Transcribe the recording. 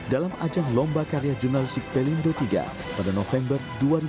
dalam ajang lomba karya jurnalistik pelindo tiga pada november dua ribu enam belas